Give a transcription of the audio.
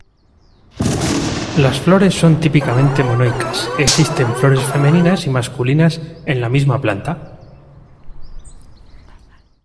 Las flores son típicamente monoicas: existen flores femeninas y masculinas en la misma planta.